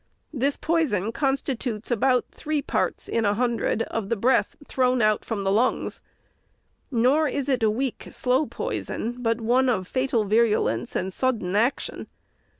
This poison constitutes about three parts in a hundred of the breath thrown out from the lungs. Nor is it a weak, slow poison, but one of fatal virulence and sudden action.